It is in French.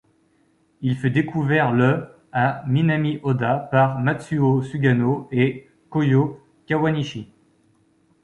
Il fut découvert le à Minami-Oda par Matsuo Sugano et Kōyō Kawanishi.